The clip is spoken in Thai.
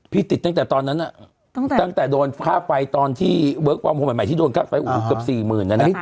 พี่ติดตั้งแต่ตอนนั้นอะตั้งแต่โดนค่าไฟตอนที่เวิร์ความผ่วงใหม่ที่โดนค่าไฟอุ้ยเกือบ๔๐๐๐๐บาท